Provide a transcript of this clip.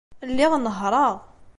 Lliɣ nehhṛeɣ.